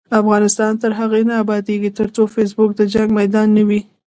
افغانستان تر هغو نه ابادیږي، ترڅو فیسبوک د جنګ میدان نه وي.